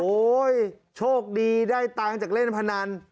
โชคดีได้ตังค์จากเล่นพนัน